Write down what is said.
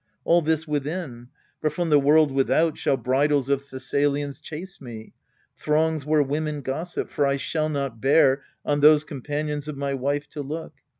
All this within : but from the world without Shall bridals of Thessalians chase me : throngs Where women gossip ; for I shall not bear On those companions of my wife to look.